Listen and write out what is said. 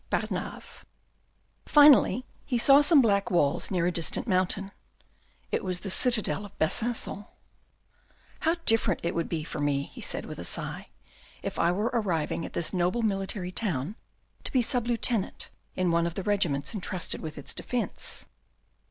— Barnave. Finally he saw some black walls near a distant mountain. It was the citadel of Besancon. " How different it would be for me," he said with a sigh, " if I were arriving at this noble military town to be sub lieutenant in one of the regiments entrusted with its defence."